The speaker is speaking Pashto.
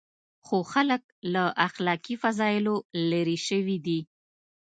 خو خلک له اخلاقي فضایلو لرې شوي دي.